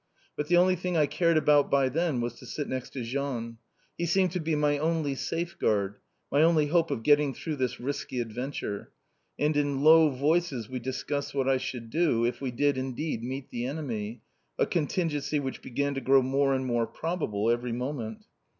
But the only thing I cared about by then, was to sit next to Jean. He seemed to be my only safeguard, my only hope of getting through this risky adventure. And in low voices we discussed what I should do, if we did indeed meet the enemy, a contingency which began to grow more and more probable every moment.